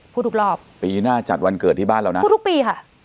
ทุกรอบปีหน้าจัดวันเกิดที่บ้านเรานะพูดทุกปีค่ะ